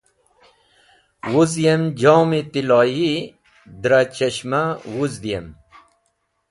Wuz yem jom-e tiloyi dra chashmah wũzdũyem.